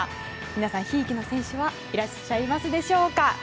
皆さん、ひいきの選手はいらっしゃいますでしょうか。